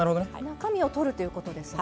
中身を取るということですね。